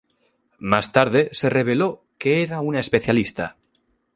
Más tarde se reveló que era un especialista.